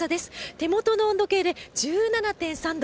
手元の温度計で１７．３度。